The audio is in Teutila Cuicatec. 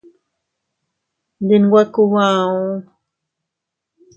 Ndi nwe kub auu.